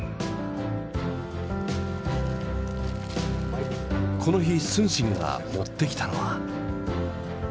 この日承信が持ってきたのは。